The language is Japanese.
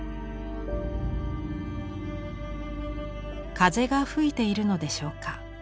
風が吹いているのでしょうか。